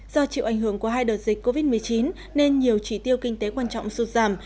do chịu ảnh hưởng của hai đợt dịch covid một mươi chín nên nhiều trị tiêu kinh tế quan trọng sụt giảm